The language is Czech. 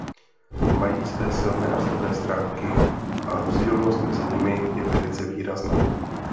Mají své silné a slabé stránky a rozdílnost mezi nimi je velice výrazná.